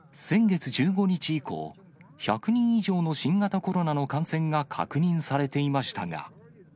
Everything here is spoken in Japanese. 先月１５日以降、１００人以上の新型コロナの感染が確認されていましたが。